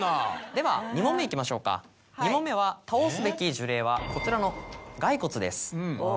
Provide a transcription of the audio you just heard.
では２問目いきましょうか２問目は倒すべき呪霊はこちらの骸骨です。